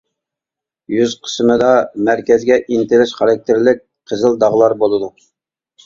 يۈز قىسمىدا مەركەزگە ئىنتىلىش خاراكتېرلىك قىزىل داغلار بولىدۇ.